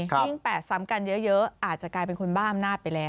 ยิ่ง๘สำกัดเยอะอาจจะเป็นคนบ้าอำนาจไปแล้ว